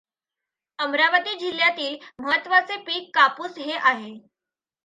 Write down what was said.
अमरावती जिल्ह्यातील महत्त्वाचे पीक कापूस हे आहे.